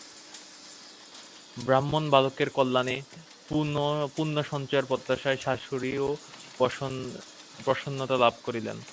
ব্রাহ্মণবালকের কল্যাণে পুণ্যসঞ্চয়ের প্রত্যাশায় শাশুড়িও প্রসন্নতা লাভ করিলেন।